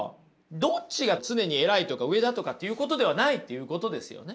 どっちが常に偉いとか上だとかっていうことではないっていうことですよね。